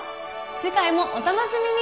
次回もお楽しみに。